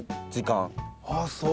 あっそう。